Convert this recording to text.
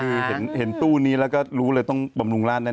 คือเห็นตู้นี้แล้วก็รู้เลยต้องบำรุงราชแน่